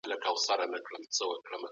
د نفوس چټکه وده د ژوند کچه ټيټوي.